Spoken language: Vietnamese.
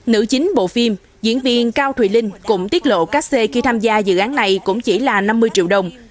nữ chính bộ phim diễn viên cao thùy linh cũng tiết lộ các xê khi tham gia dự án này cũng chỉ là năm mươi triệu đồng